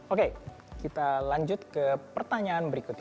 oke kita lanjut ke pertanyaan berikutnya